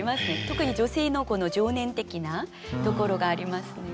特に女性のこの情念的なところがありますね。